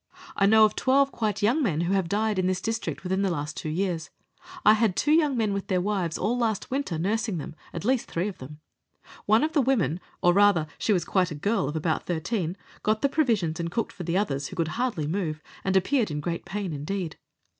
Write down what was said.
I know of 12 quite young men who have died in this district within the last two years. I had two young men with their wives all lastwinter, nursing them at least three of them. One of the women (or rather she was quite a girl of about thirteen) got the provisions and cooked for the others, who could hardly move, and appeared in great pain indeed.